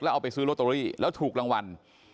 เอาไปซื้อลอตเตอรี่แล้วถูกรางวัล